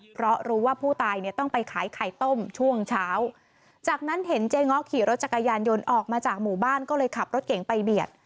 เพราะรู้ว่าผู้ตายเนี่ยต้องไปขายไข่ต้มช่วงเช้าจากนั้นเห็นเจ๊ง้อขี่รถจักรยานยนต์ออกมาจากหมู่บ้านก็เลยขับรถเก่งไปเบียด